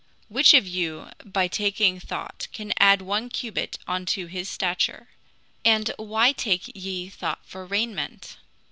Which of you by taking thought can add one cubit onto his stature? And why take ye thought for rainment?